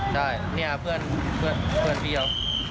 ใช่นี่คือเพื่อนเมียน